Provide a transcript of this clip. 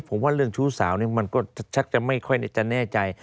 ผมว่าเรื่องชู้สาวนี่มันก็ชักจะไม่ค่อยจะแน่ใจ